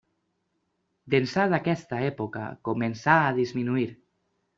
D'ençà d'aquesta època, començà a disminuir.